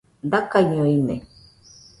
Dakaiño ine